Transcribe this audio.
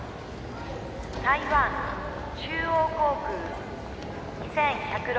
「台湾中央航空２１０６